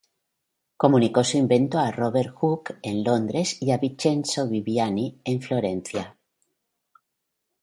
Comunicó su invento a Robert Hooke, en Londres y a Vincenzo Viviani, en Florencia.